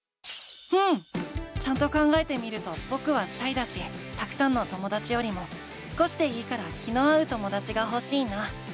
うん！ちゃんと考えてみるとぼくはシャイだしたくさんのともだちよりも少しでいいから気の合うともだちがほしいな。